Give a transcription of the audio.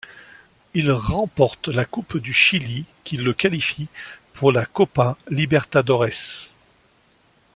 Ils remportent la coupe du Chili qui les qualifie pour la Copa Libertadores.